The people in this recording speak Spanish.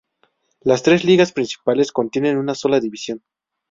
Las tres ligas principales contienen una sola división.